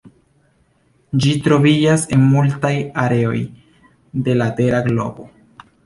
Ĝi troviĝas en multaj areoj de la tera globo.